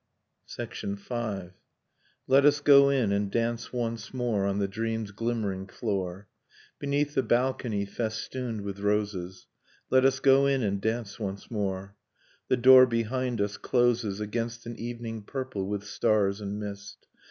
V. Let us go in and dance once more On the dream's glimmering floor. Beneath the balcony festooned with roses. Let us go in and dance once more ... The door behind us closes Against an evening purple with stars and mist